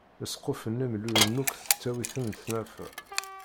Lesquf-nni mellulen akk tettawi-ten tnafa.